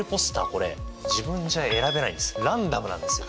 これ自分じゃ選べないんですランダムなんですよ。